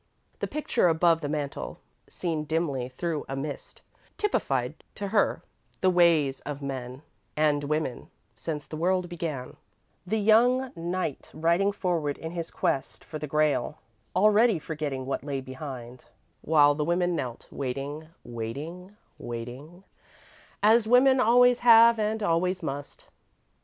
The picture above the mantel, seen dimly through a mist, typified, to her, the ways of men and women since the world began the young knight riding forward in his quest for the Grail, already forgetting what lay behind, while the woman knelt, waiting, waiting, waiting, as women always have and always must.